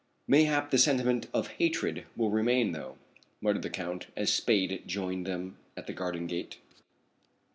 "Mayhap the sentiment of hatred will remain, though," muttered the Count, as Spade joined them at the garden gate.